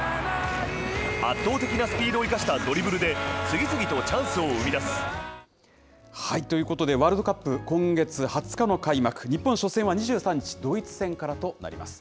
圧倒的なスピードを生かしたドリブルで、次々とチャンスを生み出ということで、ワールドカップ、今月２０日の開幕、日本初戦は２３日、ドイツ戦からとなります。